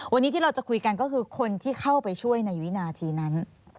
วันนี้ที่เราจะคุยกันก็คือคนที่เข้าไปช่วยในวินาทีนั้น